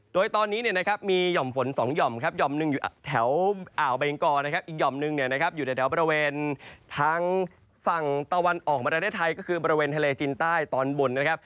โดยตอนนี้เนี่ยนะครับมีห่อมฝน๒หย่อมครับหย่อมหนึ่งอยู่แถวอ่าวเบงกอนะครับอีกหย่อมหนึ่งเนี่ยนะครับอยู่ในแถวบริเวณทางฝั่งตะวันออกประเทศไทยก็คือบริเวณทะเลจีนใต้ตอนบนนะครับ